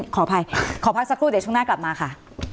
ขออภัยขอพักสักครู่เดี๋ยวช่วงหน้ากลับมาค่ะ